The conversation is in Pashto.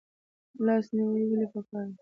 لاس نیوی ولې پکار دی؟